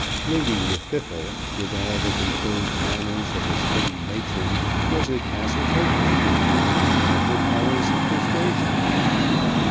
Lady Llwddythlw, with all the composed manners of a steady matron, was at Castle Hautboy, and used all her powers of persuasion.